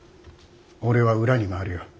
俺は裏に回るよ。